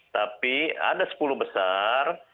tapi ada sepuluh besar